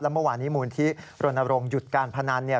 และเมื่อวันนี้มูลที่โรนโรงหยุดการพนันเนี่ย